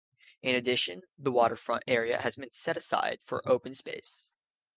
In addition, the waterfront area has been set aside for open space.